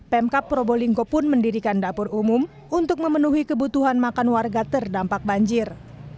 pemkap probolinggo pun mendirikan dapur umum untuk memenuhi kebutuhan makan warga terdampak banjir